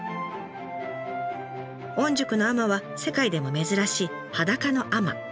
御宿の海女は世界でも珍しい裸の海女。